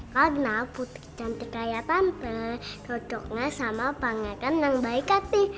karena putih cantik kayak tante cocoknya sama pengekan yang baik hati